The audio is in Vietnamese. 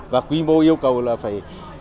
và quy mô yêu cầu là phải